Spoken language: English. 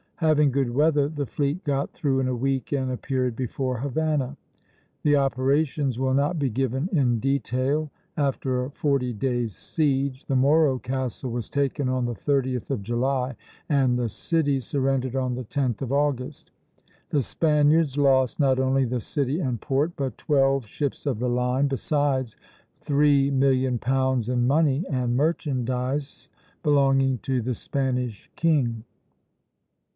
Having good weather, the fleet got through in a week and appeared before Havana. The operations will not be given in detail. After a forty days' siege the Moro Castle was taken on the 30th of July, and the city surrendered on the 10th of August. The Spaniards lost not only the city and port, but twelve ships of the line, besides £3,000,000 in money and merchandise belonging to the Spanish king.